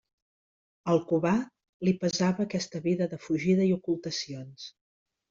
Al Cubà li pesava aquesta vida de fugida i ocultacions.